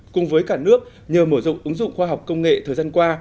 cùng với cả nước nhờ mở rộng ứng dụng khoa học công nghệ thời gian qua